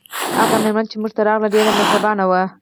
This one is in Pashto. هغه میرمن چې موږ ته راغله ډیره مهربانه وه